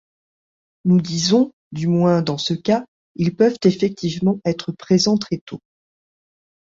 Nous disons, du moins dans ce cas, ils peuvent effectivement être présents très tôt.